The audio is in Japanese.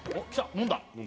飲んだ！